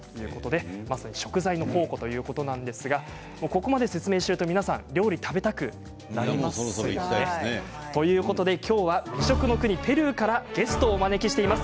食材の宝庫ということなんですがここまで説明すると料理が食べたくなりますよね？ということで今日は美食の国ペルーからゲストをお招きしています。